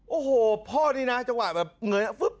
โอ้โหพ่อนี่นะจังหวะเงย